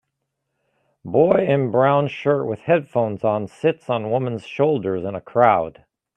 Boy in brown shirt with headphones on sits on woman 's shoulders in a crowd.